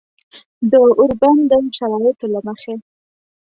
د اوربند د شرایطو له مخې